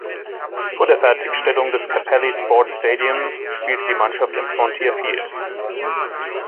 Vor der Fertigstellung des Capelli Sport Stadium spielte die Mannschaft im Frontier Field.